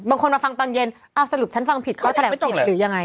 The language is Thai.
บางคนมาฟังตอนเย็นเอาสรุปฉันฟังผิดเขาแถลงไม่ผิดหรือยังไง